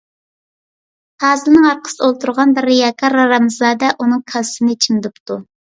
پازىلنىڭ ئارقىسىدا ئولتۇرغان بىر رىياكار ھارامزادە ئۇنىڭ كاسىسىنى چىمدىپتۇ.